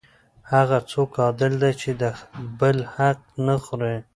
هغه څوک عادل دی چې د بل حق نه خوري.